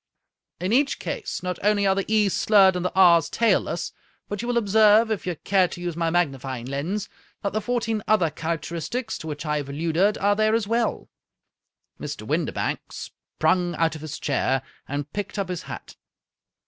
In each case, not only are the ^'s slurred and the r's tailless, but you will observe, if you care to use my magnifying lens, that the fourteen other characteristics to which I have alluded are there as well." Mr. Windibank sprung out of his chair, and picked up his hat.